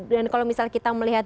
dan kalau misal kita melihat